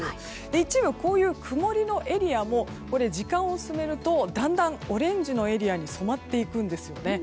一部、曇りのエリアも時間を進めるとだんだん、オレンジのエリアに染まっていくんですね。